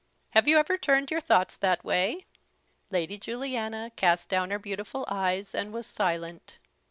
Have you ever turned your thoughts that way?" Lady Juliana cast down her beautiful eyes, and was silent.